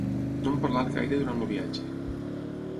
No hem parlat gaire durant el viatge.